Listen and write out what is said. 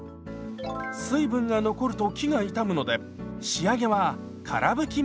水分が残ると木が傷むので仕上げはから拭き綿タオルで。